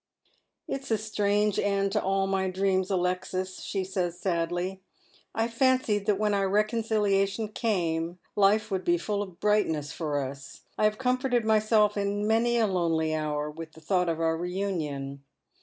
" It is a strange end to all my dreams, Alexis," she says sadly. *' I fancied that when our reconciliation came life would be full of brightness for us. I have comforted myself in many a lonely hour <vith the thought of our reunion.